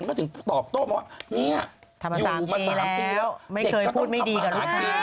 เนี้ยอยู่มา๓ปีแล้วเด็กเกิดทำมาหากินแล้วปรากฏว่าผมทำมาสามปีแล้วไม่เคยพูดไม่ดีกับลูก